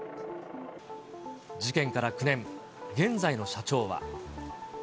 事件から９年、現在の社長は。